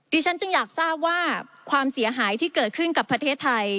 ฉันจึงอยากทราบว่าความเสียหายที่เกิดขึ้นกับประเทศไทย